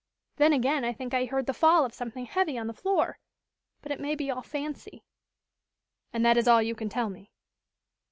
Then, again, I think I heard the fall of something heavy on the floor. But it may be all fancy." "And that is all you can tell me?"